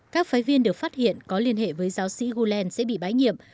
các phái viên được phát hiện có liên hệ với giáo sĩ gulen sẽ bị bãi nhiệm